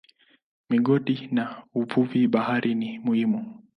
Migodi na uvuvi baharini ni muhimu.